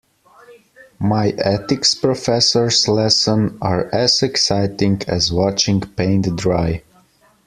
My ethics professor's lessons are as exciting as watching paint dry.